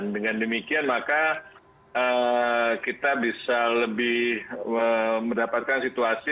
dengan demikian maka kita bisa lebih mendapatkan situasi